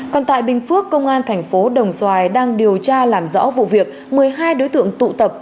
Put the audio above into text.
còn tại bình phước công an thành phố đồng xoài đang điều tra làm rõ vụ việc một mươi hai đối tượng tụ tập